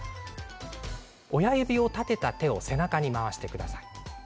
親指を立てた手を背中に回してください。